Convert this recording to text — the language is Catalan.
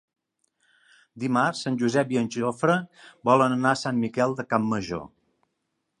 Dimarts en Josep i en Jofre volen anar a Sant Miquel de Campmajor.